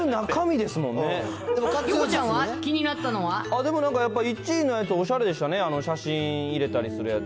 でもなんか１位のやつ、おしゃれでしたね、写真入れたりするやつ。